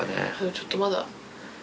ちょっとまだ。